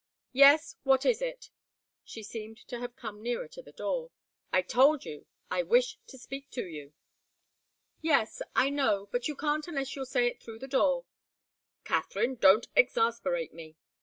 "Yes what is it?" She seemed to have come nearer to the door. "I told you. I wish to speak to you." "Yes I know. But you can't unless you'll say it through the door." "Katharine! Don't exasperate me!"